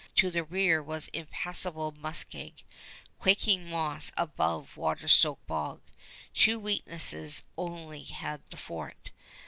To the rear was impassable muskeg quaking moss above water soaked bog. Two weaknesses only had the fort.